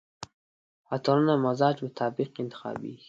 عطرونه د مزاج مطابق انتخابیږي.